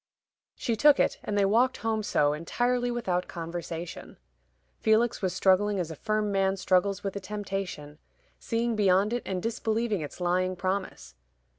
She took it, and they walked home so, entirely without conversation. Felix was struggling as a firm man struggles with a temptation, seeing beyond it and disbelieving its lying promise.